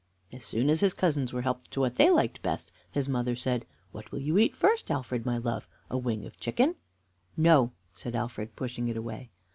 As soon as his cousins were helped to what they liked best, his mother said: "What will you eat first, Alfred, my love? A wing of a chicken?" "No," said Alfred, pushing it away.